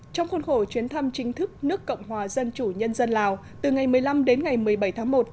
trong khuôn khổ chuyến thăm chính thức nước cộng hòa dân chủ nhân dân lào từ ngày một mươi năm đến ngày một mươi bảy tháng một